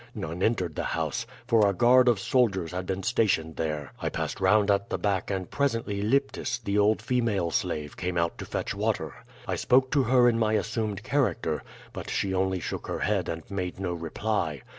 None entered the house, for a guard of soldiers had been stationed there. I passed round at the back and presently Lyptis, the old female slave, came out to fetch water. I spoke to her in my assumed character, but she only shook her head and made no reply.